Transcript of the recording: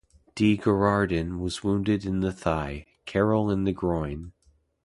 De Girardin was wounded in the thigh, Carrel in the groin.